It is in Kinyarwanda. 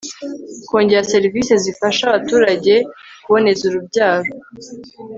kongera servise zifasha abaturage kuboneza urubyaro